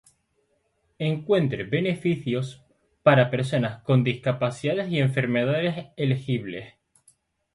Encuentre beneficios para personas con discapacidades y enfermedades elegibles.